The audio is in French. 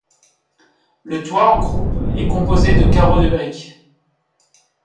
Le toit en croupe est composé de carreaux de briques.